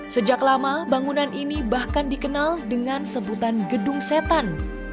sejak lama bangunan ini bahkan dikenal dengan sebutan gedung setan